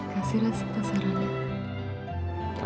kasihlah si tasarannya